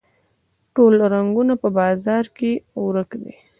ټوله رنګونه په بازار کې ورک دي